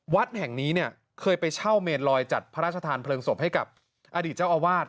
วัดแห่งนี้เนี่ยเคยไปเช่าเมนลอยจัดพระราชทานเพลิงศพให้กับอดีตเจ้าอาวาส